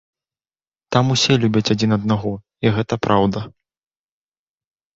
Там усе любяць адзін аднаго, і гэта праўда!